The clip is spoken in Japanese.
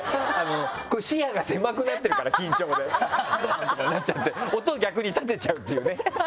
こう視野が狭くなってるから緊張でガン！とかなっちゃって音を逆に立てちゃうっていうね。